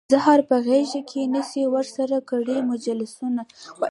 زهره په غیږ کې نیسي ورسره کړي مجلسونه